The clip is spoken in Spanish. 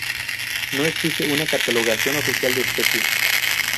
No existe una catalogación oficial de especies.